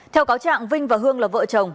theo cáo trạng vinh và hương là vợ chồng